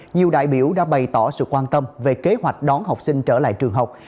nhiều đại biểu đã bày tỏ sự quan tâm về kế hoạch đón học sinh trở lại trường học